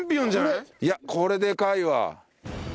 いやこれでかいわ。